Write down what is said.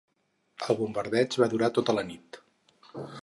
El bombardeig va durar tota la nit.